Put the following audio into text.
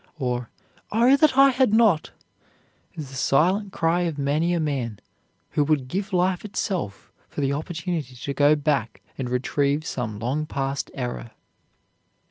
or "Oh, that I had not!" is the silent cry of many a man who would give life itself for the opportunity to go back and retrieve some long past error.